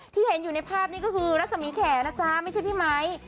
เห็นอยู่ในภาพนี้ก็คือรัศมีแขนนะจ๊ะไม่ใช่พี่ไมค์